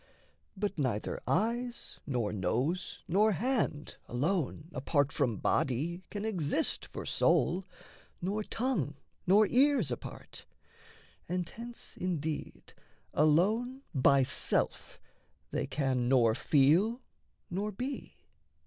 But neither eyes, nor nose, nor hand, alone Apart from body can exist for soul, Nor tongue nor ears apart. And hence indeed Alone by self they can nor feel nor be.